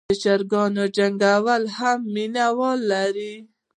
د چرګانو جنګول هم مینه وال لري.